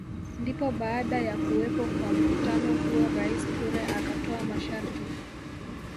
Ndipo baada ya kuwepo kwa mvutano huo Rais Toure akatoa masharti